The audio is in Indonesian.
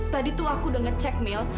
tadi tuh aku udah ngecek mil